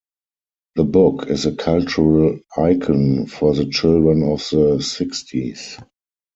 The book is a cultural icon for the Children of the Sixties.